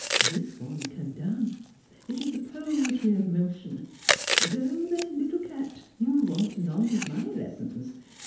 This one can dance — it is the poetry of motion. Go then, little cat, you want none of my lessons.